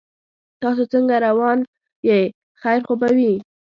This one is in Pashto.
تاسو څنګه روان یې خیر خو به وي